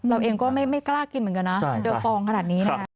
เราเองก็ไม่กล้ากินเหมือนกันนะเจอฟองขนาดนี้นะคะ